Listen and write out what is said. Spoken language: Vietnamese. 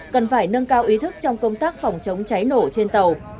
cần phải nâng cao ý thức trong công tác phòng chống cháy nổ trên tàu